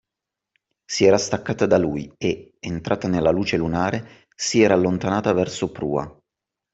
Si era staccata da lui e, entrata nella luce lunare, si era allontanata verso prua.